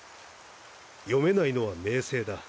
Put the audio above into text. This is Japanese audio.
読めないのは明青だ。